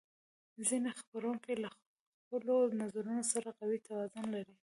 ځینې څېړونکي له خپلو نظرونو سره قوي توازن لري.